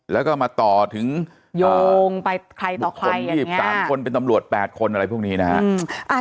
แล้วก็มาต่อถึงโยงไปใครต่อคน๒๓คนเป็นตำรวจ๘คนอะไรพวกนี้นะฮะ